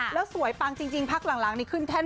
แล้วสวยปังจริงพักหลังนี่ขึ้นแท่น